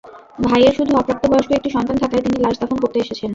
ভাইয়ের শুধু অপ্রাপ্তবয়স্ক একটি সন্তান থাকায় তিনি লাশ দাফন করতে এসেছেন।